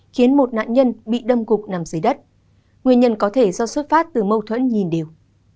khiến một nạn nhân bị đâm cục nằm dưới đất nguyên nhân có thể do xuất phát từ mâu thuẫn nhìn điều